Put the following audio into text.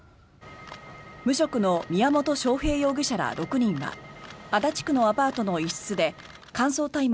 無職の宮本晶平容疑者ら６人は足立区のアパートの一室で乾燥大麻